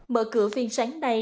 mở cửa phiên sáng nay